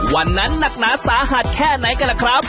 วันนั้นหนักหนาสาหัสแค่ไหนกันล่ะครับ